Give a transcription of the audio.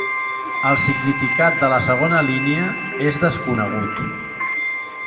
El significat de la segona línia és desconegut.